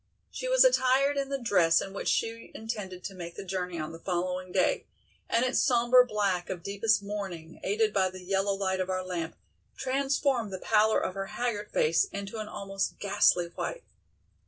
She was attired in the dress in which she intended to make the journey on the following day, and its sombre black of deepest mourning, aided by the yellow light of our lamp, transformed the pallor of her haggard face into an almost ghastly white.